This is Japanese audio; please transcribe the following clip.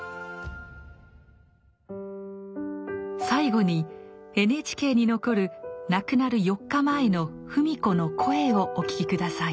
最後にＮＨＫに残る亡くなる４日前の芙美子の声をお聴き下さい。